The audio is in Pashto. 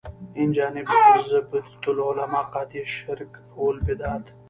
اینجانب زبدة العلما قاطع شرک و البدعت.